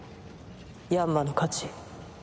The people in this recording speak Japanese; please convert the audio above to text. ヤンマの勝ち。